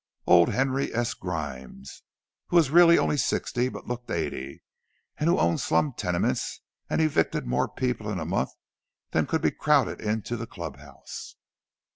Old Henry S. Grimes, who was really only sixty, but looked eighty; and who owned slum tenements, and evicted more people in a month than could be crowded into the club house!